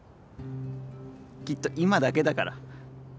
きっと今だけだから